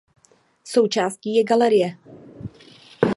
Součástí je galerie.